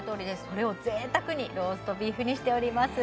それを贅沢にローストビーフにしております